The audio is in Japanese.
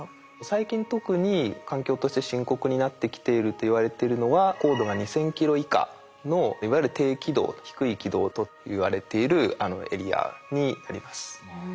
最近特に環境として深刻になってきているといわれてるのは高度が２，０００ｋｍ以下のいわゆる低軌道低い軌道といわれているエリアになります。